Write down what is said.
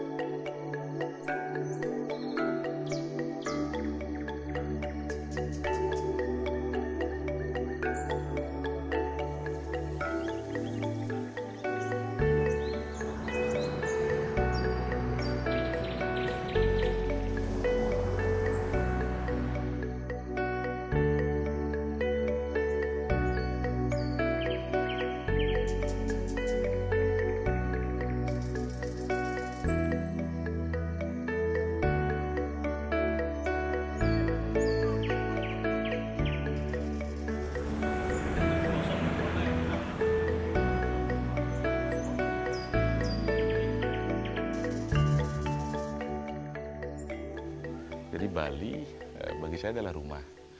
jadi bali bagi saya adalah rumah